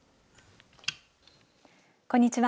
こんにちは。